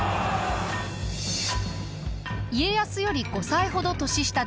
家康より５歳ほど年下です。